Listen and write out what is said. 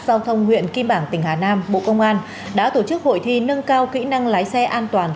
giao thông huyện kim bảng tỉnh hà nam bộ công an đã tổ chức hội thi nâng cao kỹ năng lái xe an toàn